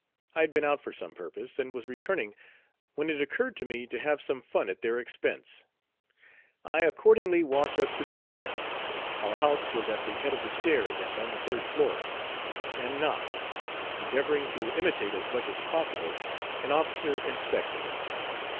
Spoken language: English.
I had been out for some purpose, and was returning when it occurred to me to have some fun at their expense. I accordingly walked up to the door our "house" was at the head of the stairs and on the third floor and knocked, endeavoring to imitate as much as possible an officer inspecting.